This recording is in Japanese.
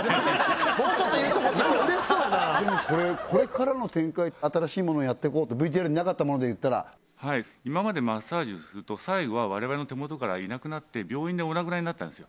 もうちょっと言うてほしそうなんかうれしそうやなでもこれこれからの展開新しいものやっていこうとＶＴＲになかったものでいったら今までマッサージをすると最後は我々の手元からいなくなって病院でお亡くなりになったんですよ